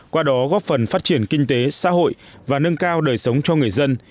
qua đó góp phần phát triển kinh tế xã hội và nâng cao đời sống cho người dân